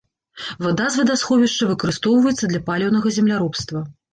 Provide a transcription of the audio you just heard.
Вада з вадасховішча выкарыстоўваецца для паліўнага земляробства.